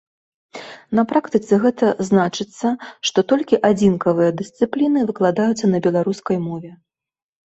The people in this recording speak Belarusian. На практыцы гэта значыцца, што толькі адзінкавыя дысцыпліны выкладаюцца на беларускай мове.